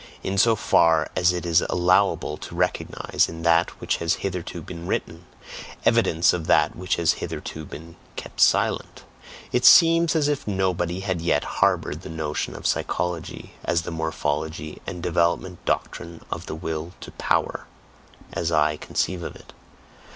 In so far as it is allowable to recognize in that which has hitherto been written, evidence of that which has hitherto been kept silent, it seems as if nobody had yet harboured the notion of psychology as the Morphology and DEVELOPMENT DOCTRINE OF THE WILL TO POWER, as I conceive of it.